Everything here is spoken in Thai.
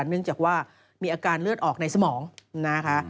เนื่องจากว่ามีอาการเลือดออกในสมองนะคะ